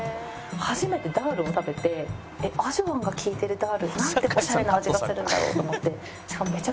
初めてダールを食べてアジョワンが利いてるダールなんてオシャレな味がするんだろうと思って。